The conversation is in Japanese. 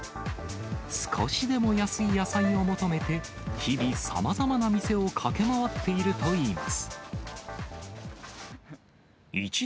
少しでも安い野菜を求めて、日々、さまざまな店を駆け回っているといいます。